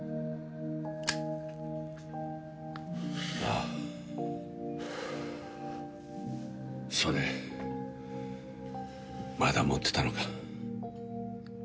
あそれまだ持ってたのか。